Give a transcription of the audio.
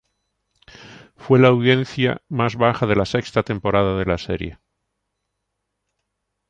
Fue la audiencia más baja de la sexta temporada de la serie.